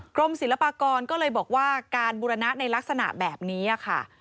กรมศิลปากรก็เลยบอกว่าการบูรณะในลักษณะแบบนี้ค่ะ